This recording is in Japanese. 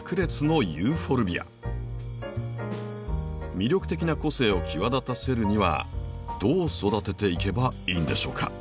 魅力的な個性を際立たせるにはどう育てていけばいいんでしょうか。